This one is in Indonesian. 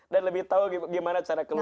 dan lebih tahu gimana cara keluar